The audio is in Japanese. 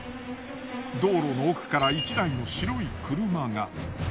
道路の奥から１台の白い車が。